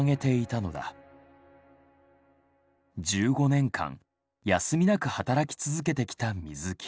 １５年間休みなく働き続けてきた水木。